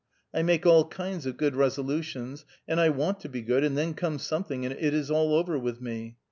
I make all kinds of good resolutions, and I want to be good, and then comes something and it is all over with me.